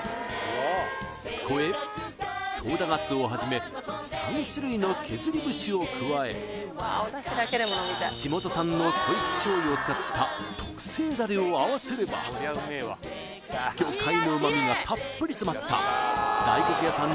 そこへ宗太鰹をはじめ３種類の削り節を加え地元産の濃口醤油を使った特製ダレを合わせれば魚介の旨みがたっぷり詰まった大黒屋さん